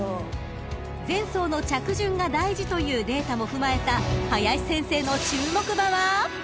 ［前走の着順が大事というデータも踏まえた林先生の注目馬は］